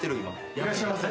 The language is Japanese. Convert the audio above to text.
いらっしゃいませ。